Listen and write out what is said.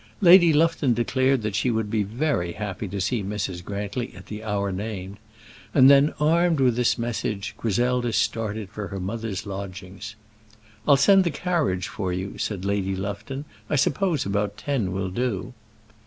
Lady Lufton declared that she would be very happy to see Mrs. Grantly at the hour named; and then, armed with this message, Griselda started for her mother's lodgings. "I'll send the carriage for you," said Lady Lufton. "I suppose about ten will do."